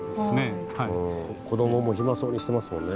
子供も暇そうにしてますもんね。